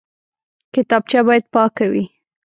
کتابچه باید پاکه وي